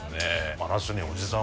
真夏におじさん